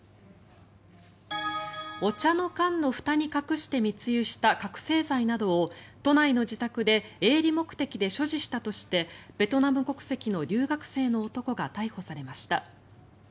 お茶の缶のふたに隠して密輸した覚せい剤などを都内の自宅で営利目的で所持したとしてベトナム国籍の留学生の男が逮捕されました。